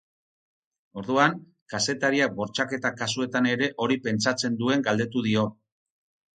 Orduan, kazetariak bortxaketa kasuetan ere hori pentsatzen duen galdetu dio.